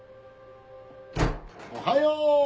おはよう！